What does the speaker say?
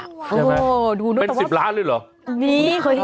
เป็นสิบล้านด้วยหรอ